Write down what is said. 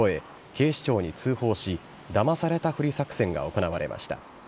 警視庁に通報しだまされたフリ作戦が行われました。